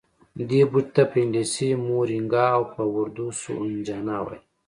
دې بوټي ته په انګلیسي مورینګا او په اردو سوهنجنا وايي